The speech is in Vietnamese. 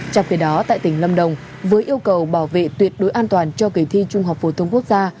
trong khi đó tại tỉnh lâm đồng với yêu cầu bảo vệ tuyệt đối an toàn cho kỳ thi trung học phổ thông quốc gia